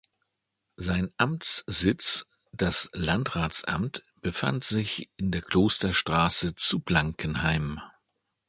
Sein Amtssitz, das Landratsamt, befand sich in der Klosterstraße zu Blankenheim.